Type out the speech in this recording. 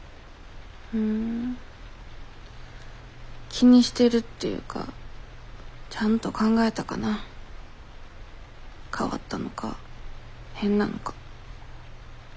気にしてるっていうかちゃんと考えたかな変わったのか変なのか。